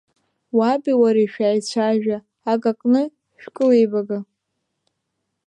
Уаби уареи шәааицәажәа, акаҟны шәкылеибага.